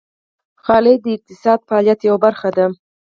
غالۍ د اقتصادي فعالیت یوه برخه ده.